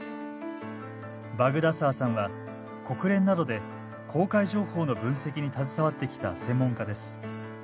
バグダサーさんは国連などで公開情報の分析に携わってきた専門家です。